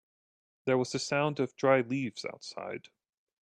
There was a sound of dry leaves outside.